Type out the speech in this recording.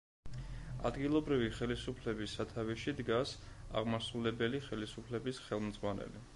ადგილობრივი ხელისუფლების სათავეში დგას აღმასრულებელი ხელისუფლების ხელმძღვანელი.